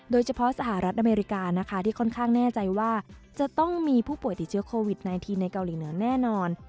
สหรัฐอเมริกานะคะที่ค่อนข้างแน่ใจว่าจะต้องมีผู้ป่วยติดเชื้อโควิด๑๙ในเกาหลีเหนือแน่นอน